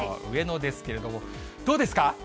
上野ですけれども、どうですか？